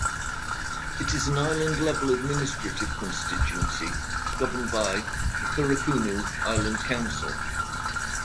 It is an island-level administrative constituency governed by the Thuraakunu Island Council.